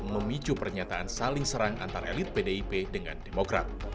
memicu pernyataan saling serang antara elit pdip dengan demokrat